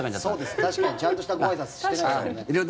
確かに、ちゃんとしたごあいさつしてないですもんね。